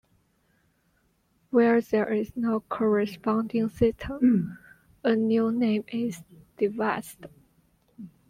Where there is no corresponding system, a new name is devised.